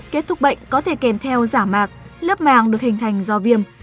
kết thúc bệnh có thể kèm theo giả mạc lớp màng được hình thành do viêm